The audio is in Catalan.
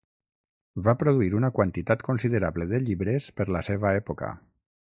Va produir una quantitat considerable de llibres per la seva època.